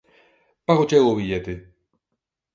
Págoche eu o billete.